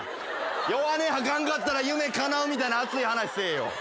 弱音吐かんかったら夢叶うみたいな熱い話せえよ。